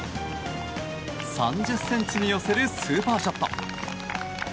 ３０ｃｍに寄せるスーパーショット。